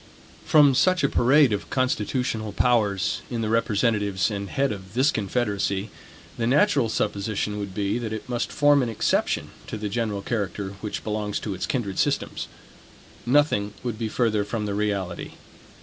From such a parade of constitutional powers, in the representatives and head of this confederacy, the natural supposition would be, that it must form an exception to the general character which belongs to its kindred systems. Nothing would be further from the reality.